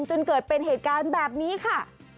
จนเกิดเป็นเหตุการณ์แบบนี้ค่ะ